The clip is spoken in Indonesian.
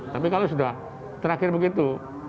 tapi kalau sudah terakhir begitu